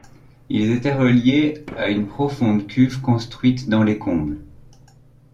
Ils étaient reliés à une profonde cuve construite dans les combles.